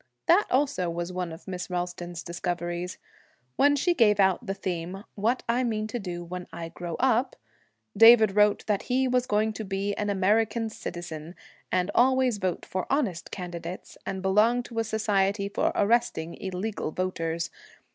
That also was one of Miss Ralston's discoveries. When she gave out the theme, 'What I Mean to Do When I Grow Up,' David wrote that he was going to be an American citizen, and always vote for honest candidates, and belong to a society for arresting illegal voters.